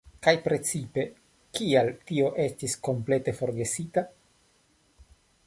Kaj precipe, kial tio estis komplete forgesita?